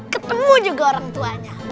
ketemu juga orang tuanya